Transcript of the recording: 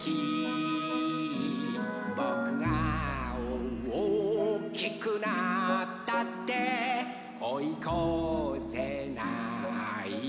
「ぼくがおおきくなったっておいこせないよ」